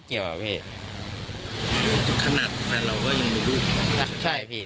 คาหนังมึง